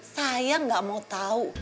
saya gak mau tau